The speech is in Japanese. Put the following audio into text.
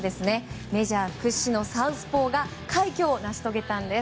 メジャー屈指のサウスポーが快挙を成し遂げたんです。